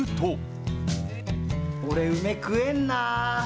俺、梅、食えんなー。